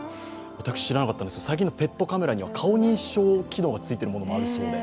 私、知らなかったんですが、最近のペットカメラには顔認証のついているものもあるそうで。